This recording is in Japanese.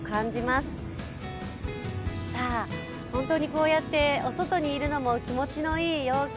こうやってお外にいるのも気持ちのいい陽気